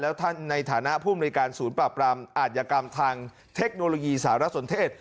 แล้วท่านในฐานะผู้อำนวยการศูนย์ปราบรามอาธิกรรมทางเทคโนโลยีสารสนเทศ